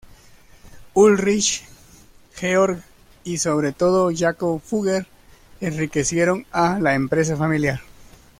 Ulrich, Georg y, sobre todo, Jakob Fugger enriquecieron a la empresa familiar.